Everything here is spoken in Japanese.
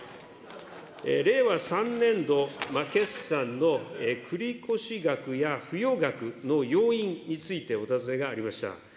令和３年度決算の繰越額や不用額の要因についてお尋ねがありました。